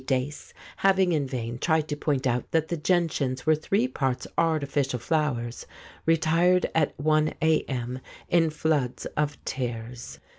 Dace, having in vain tried to point out that the gentians were three parts artificial flowers, retired at i a.m. in floods of tears.